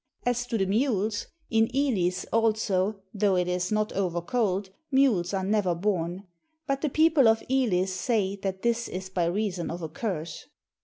As to the mules, in Elis also, though it is not over cold, mules are never born. But the people of Elis say that this is by reason of a curse.